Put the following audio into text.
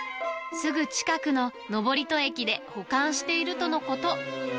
すぐ近くの登戸駅で保管しているとのこと。